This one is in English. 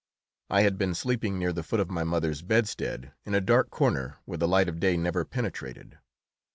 I had been sleeping near the foot of my mother's bedstead, in a dark corner where the light of day never penetrated.